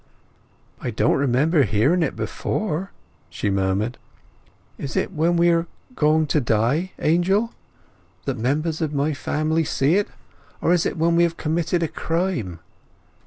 "I don't remember hearing it before," she murmured. "Is it when we are going to die, Angel, that members of my family see it, or is it when we have committed a crime?"